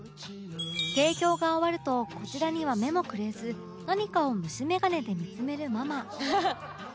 提供が終わるとこちらには目もくれず何かを虫眼鏡で見つめるママ